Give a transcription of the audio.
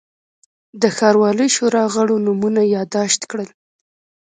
د ښاروالۍ شورا غړو نومونه یاداشت کړل.